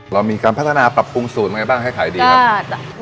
เรามีการพัฒนาปรับปรุงสูตรยังไงบ้างให้ขายดีครับ